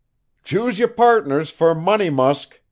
'Choose yer partners fer Money Musk!'